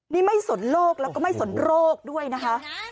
นี่ไม่สนโรคแล้วก็ไม่สนโรคด้วยนะคะ